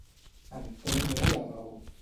Entendre la raó.